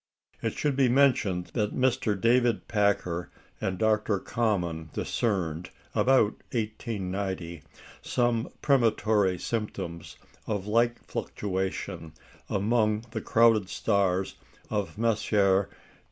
It should be mentioned that Mr. David Packer and Dr. Common discerned, about 1890, some premonitory symptoms of light fluctuation among the crowded stars of Messier 5.